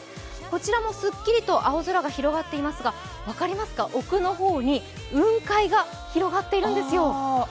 こちらもすっきりと青空が広がっていますが、分かりますか、奥の方に雲海が広がっているんですよ。